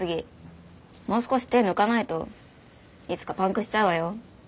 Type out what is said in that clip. もう少し手抜かないといつかパンクしちゃうわよ。